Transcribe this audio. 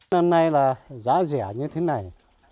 năm nay là giá rẻ như thế này